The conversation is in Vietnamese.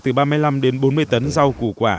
từ ba mươi năm đến bốn mươi tấn rau củ quả